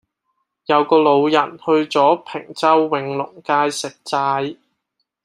有個老人去左坪洲永隆街食齋